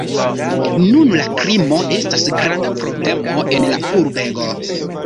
Nun la krimo estas granda problemo en la urbego.